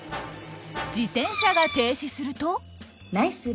自転車が停止すると。